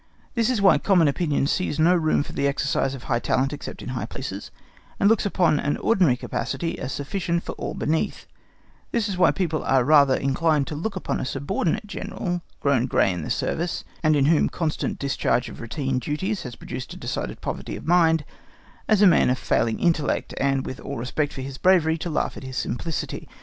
This is why common opinion sees no room for the exercise of high talent except in high places, and looks upon an ordinary capacity as sufficient for all beneath: this is why people are rather inclined to look upon a subordinate General grown grey in the service, and in whom constant discharge of routine duties has produced a decided poverty of mind, as a man of failing intellect, and, with all respect for his bravery, to laugh at his simplicity.